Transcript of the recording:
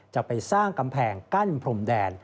จะไปสร้างกำแพงกั้นพรมแดน